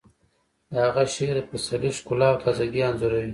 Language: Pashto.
د هغه شعر د پسرلي ښکلا او تازه ګي انځوروي